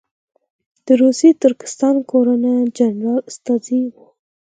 د روسي ترکستان ګورنر جنرال استازی وو.